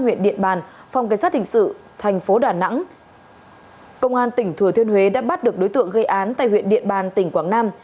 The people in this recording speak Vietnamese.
huyện điện bàn phòng cảnh sát hình sự thành phố đà nẵng công an tỉnh thừa thiên huế đã bắt được đối tượng gây án tại huyện điện bàn tỉnh quảng nam